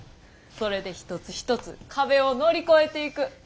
それで一つ一つ壁を乗り越えていく。